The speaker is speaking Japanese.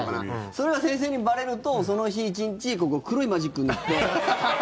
それが先生にばれるとその日一日ここ、黒いマジックになって。